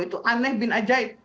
itu aneh bin ajaib